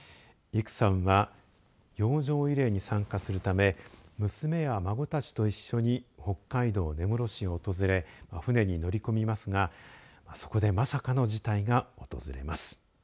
イクさんは洋上慰霊に参加するため娘や孫たちと一緒に北海道根室市を訪れ船に乗り込みますがそこでまさかの事態が訪れます。